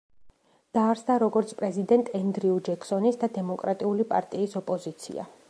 დაარსდა როგორც პრეზიდენტ ენდრუ ჯექსონის და დემოკრატიული პარტიის ოპოზიცია.